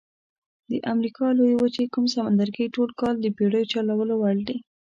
د امریکا لویې وچې کوم سمندرګي ټول کال د بېړیو چلولو وړ دي؟